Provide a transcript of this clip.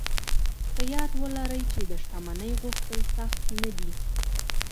په یاد و لرئ چې د شتمنۍ غوښتل سخت نه دي